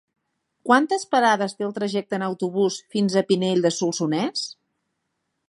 Quantes parades té el trajecte en autobús fins a Pinell de Solsonès?